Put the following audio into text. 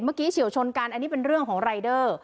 เมื่อกี้โฉชนกันอันนี้เป็นเรื่องของรายเด้อ